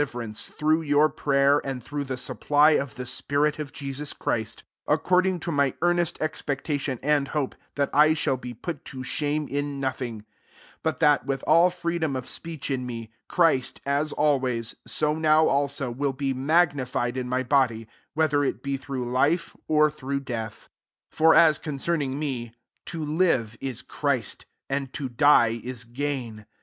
S^21 ieHrerance, through your pray er, and through the sut)ply of :he spirit of Jesus Christ ; 20 iccording to my earnest expec :ation and hope, that I shall be >ut to shame in nothing; but hat, with all freedom of speech '« me, Christ, as always, so now iIbo, will be magnified in my body, whether it be through (ifc or through death. 21 For as concerning me, to live is Christ, and to die is gain.